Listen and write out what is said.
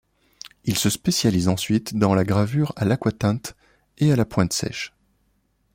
Il se spécialise ensuite dans la gravure à l'aquatinte et à la pointe sèche.